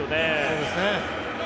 そうですね。